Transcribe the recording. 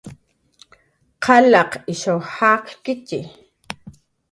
Qalaq ishaw jakkitxi